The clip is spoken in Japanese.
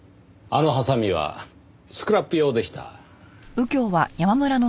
あのハサミはスクラップ用でした。